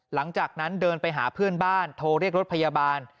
หลังจากนั้นเดินไปหาเพื่อนบ้านโทรเรียกรถพยาบาล